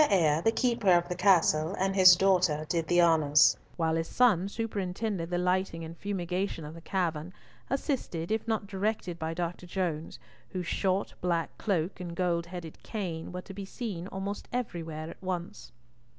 Eyre, the keeper of the castle, and his daughter did the honours, while his son superintended the lighting and fumigation of the cavern, assisted, if not directed by Dr. Jones, whose short black cloak and gold headed cane were to be seen almost everywhere at once.